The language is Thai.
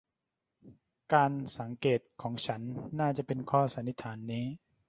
การสังเกตของฉันน่าจะเป็นข้อสันนิษฐานนี้